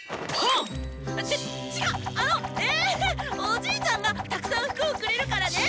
おじいちゃんがたくさん服をくれるからね！